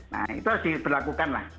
nah itu harus diberlakukan lah